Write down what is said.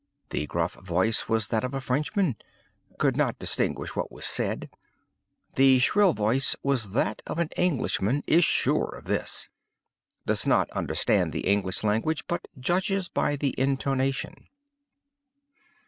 The gruff voice was that of a Frenchman. Could not distinguish what was said. The shrill voice was that of an Englishman—is sure of this. Does not understand the English language, but judges by the intonation.